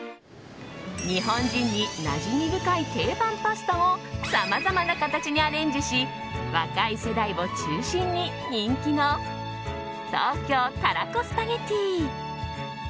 日本人になじみ深い定番パスタをさまざまな形にアレンジし若い世代を中心に人気の東京たらこスパゲティ。